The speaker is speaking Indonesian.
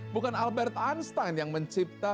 bukan albert einstein yang menciptakan